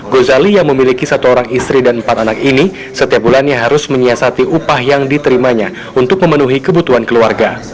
gozali yang memiliki satu orang istri dan empat anak ini setiap bulannya harus menyiasati upah yang diterimanya untuk memenuhi kebutuhan keluarga